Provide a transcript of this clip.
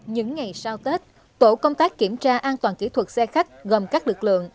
những ngày sau tết tổ công tác kiểm tra an toàn kỹ thuật xe khách gồm các lực lượng